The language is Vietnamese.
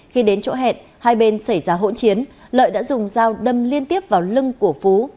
khi đến chỗ hẹn hai bên xảy ra hỗn chiến lợi đã dùng dao đâm liên tiếp vào lưng của phú